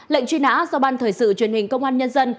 lệnh truy nã do ban thời sự truyền hình công an nhân dân